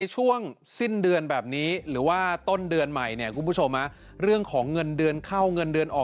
ช่วงสิ้นเดือนแบบนี้หรือว่าต้นเดือนใหม่เนี่ยคุณผู้ชมเรื่องของเงินเดือนเข้าเงินเดือนออก